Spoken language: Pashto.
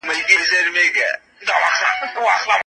که مو ناوړه کار نشوای منع کولای څه بايد وسي؟